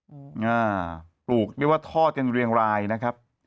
อืมอ่าปลูกเรียกว่าทอดกันเรียงรายนะครับ